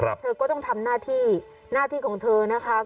ระบุพ่อความคัดชั้นอันน่าประทับใจคุณผู้ชมบอกอาชีพนี้ถึงจะเหนื่อยถึงจะล้าไปบ้าง